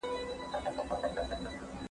کمپيوټر قدم شمېرې.